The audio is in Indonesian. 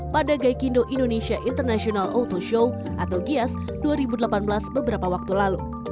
pada gaikindo indonesia international auto show atau gias dua ribu delapan belas beberapa waktu lalu